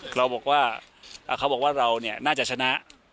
เค้าบอกว่าเราน่าจะชนะ